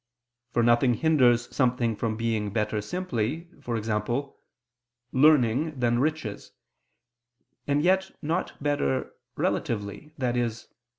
For nothing hinders something from being better simply, e.g. "learning than riches," and yet not better relatively, i.e.